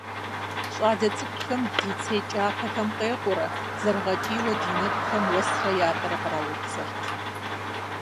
ЩӀалэ цӀыкӀухэм, ди цей кӀапэхэм къекъуурэ, зэрыгъэкӀийуэ ди нэкӀухэм уэсрэ ятӀэрэ къраупцӀэрт.